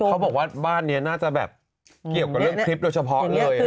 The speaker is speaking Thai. เขาบอกว่าบ้านนี้น่าจะแบบเกี่ยวกับเรื่องคลิปโดยเฉพาะเลย